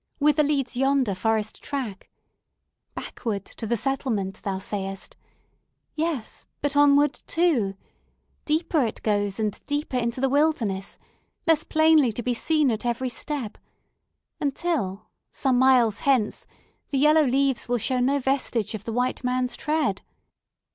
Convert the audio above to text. Whither leads yonder forest track? Backward to the settlement, thou sayest! Yes; but, onward, too! Deeper it goes, and deeper into the wilderness, less plainly to be seen at every step; until some few miles hence the yellow leaves will show no vestige of the white man's tread.